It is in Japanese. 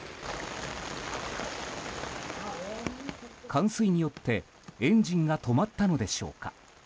冠水によって、エンジンが止まったのでしょうか。